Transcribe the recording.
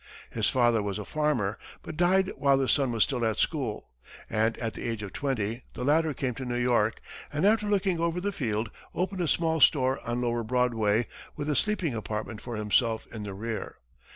His father was a farmer, but died while the son was still at school, and at the age of twenty the latter came to New York, and after looking over the field, opened a small store on lower Broadway, with a sleeping apartment for himself in the rear.